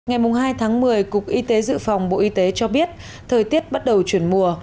ngày hai tháng một mươi cục y tế dự phòng bộ y tế cho biết thời tiết bắt đầu chuyển mùa